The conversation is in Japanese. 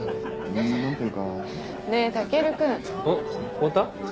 終わった？